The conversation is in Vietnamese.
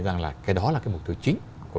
rằng là cái đó là cái mục tiêu chính của